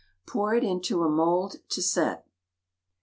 Pour it into a mould to set.